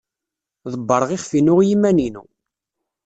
Ḍebbreɣ iɣef-inu i yiman-inu.